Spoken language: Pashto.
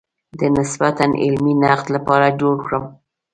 د نسبتاً علمي نقد لپاره جوړ کړم.